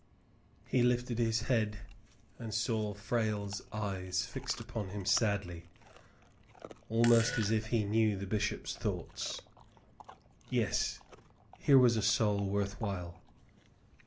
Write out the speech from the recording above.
He lifted his head and saw Frale's eyes fixed upon him sadly — almost as if he knew the bishop's thoughts. Yes, here was a soul worth while.